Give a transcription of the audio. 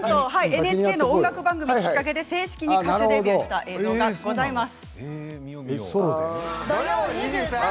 ＮＨＫの音楽番組がきっかけで正式に歌手デビューした映像がございます。